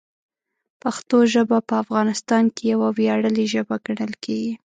پښتو ژبه په افغانستان کې یوه ویاړلې ژبه ګڼل کېږي.